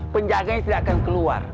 penjaganya tidak akan keluar